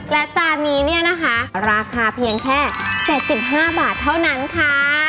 และจานนี้เนี่ยนะคะราคาเพียงแค่๗๕บาทเท่านั้นค่ะ